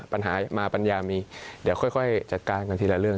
ปัญหามาปัญญามีเดี๋ยวค่อยจัดการกันทีละเรื่อง